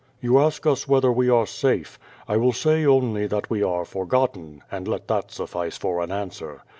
You ask us whether we are safe. I will say only that we arc forgotten, and let that suffice for an answer.